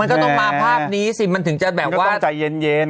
มันก็ต้องมาภาพนี้สิมันถึงจะแบบว่ามันก็ต้องใจเย็นเย็น